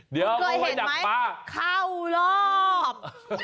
เดี๋ยวมึงให้ดักปลาเข้ารอบ